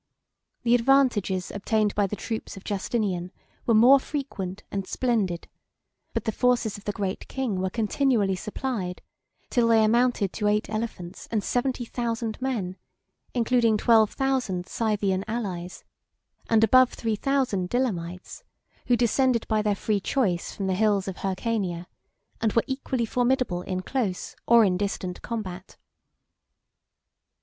The advantages obtained by the troops of Justinian were more frequent and splendid; but the forces of the great king were continually supplied, till they amounted to eight elephants and seventy thousand men, including twelve thousand Scythian allies, and above three thousand Dilemites, who descended by their free choice from the hills of Hyrcania, and were equally formidable in close or in distant combat.